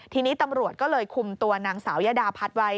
ทีนี้ตำรวจก็เลยคุมตัวนางสาวยดาพัฒน์ไว้